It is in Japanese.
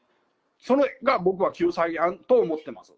それが僕は救済案と思ってます。